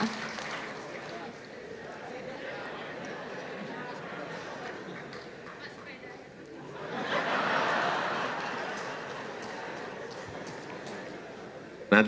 mas apa sepedanya itu